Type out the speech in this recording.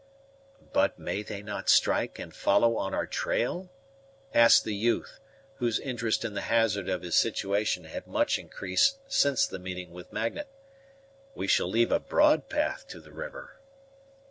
"But may they not strike and follow on our trail?" asked the youth, whose interest in the hazard of his situation had much increased since the meeting with Magnet. "We shall leave a broad path to the river."